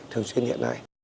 thường xuyên hiện nay